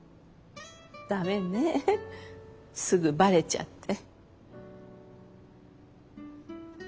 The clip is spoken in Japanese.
駄目ねすぐばれちゃって。